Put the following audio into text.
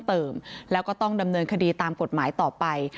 เพิ่มเติมแล้วก็ต้องดำเนินคดีตามกฎหมายต่อไป